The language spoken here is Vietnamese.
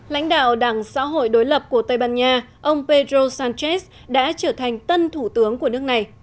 lãnh đạo đảng xã hội đối lập của tây ban nha ông pedro sánchez đã trở thành tân thủ tướng của nước này